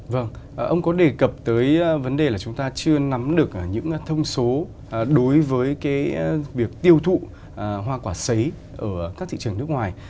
vâng ông có đề cập tới vấn đề là chúng ta chưa nắm được những thông số đối với việc tiêu thụ hoa quả xấy ở các thị trường nước ngoài